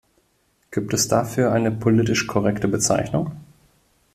Gibt es dafür eine politisch korrekte Bezeichnung?